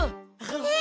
えっ。